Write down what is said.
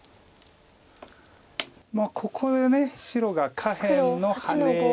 ここで白が下辺のハネで。